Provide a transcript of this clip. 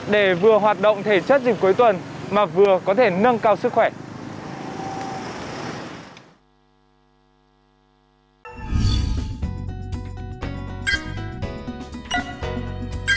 để vừa hoạt động thể chất dịp cuối tuần mà vừa có thể nâng cao sức khỏe